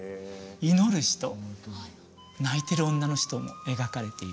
祈る人泣いてる女の人も描かれている